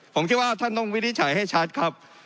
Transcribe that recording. ผมคิดว่าท่านต้องวินิจฉัยให้ชัดครับ